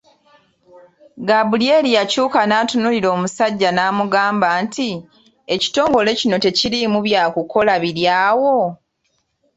Gaabulyeri yakyuka n’atunuulira omusajja n’amugamba nti, “Ekitongole kino tekiriimu bya kukolako biri awo.